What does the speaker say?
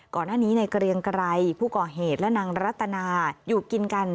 ก่อนหน้านี้ในเกรียงไกรผู้ก่อเหตุและนางรัตนาอยู่กินกัน